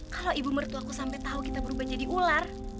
kalau ibu mertua aku sampai tau kita berubah jadi ular